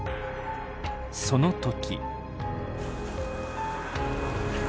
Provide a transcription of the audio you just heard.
その時。